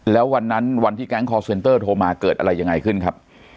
แล้ววันนั้นวันที่แก๊งคอร์เซ็นเตอร์โทรมาเกิดอะไรยังไงขึ้นครับ